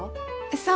そう。